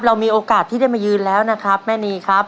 เรามีโอกาสที่ได้มายืนแล้วนะครับแม่นีครับ